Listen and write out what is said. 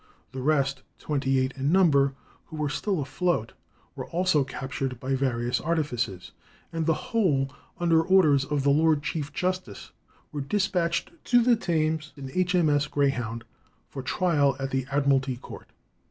The rest, twenty eight in number, who were still afloat, were also captured by various artifices, and the whole, under orders of the Lord Chief Justice, were despatched to the Thames in H. M. S. Greyhound, for trial at the Admiralty Court.